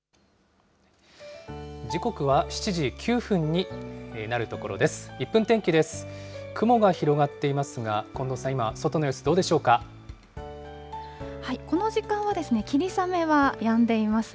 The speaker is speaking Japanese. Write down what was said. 時刻は７時９分になるところです。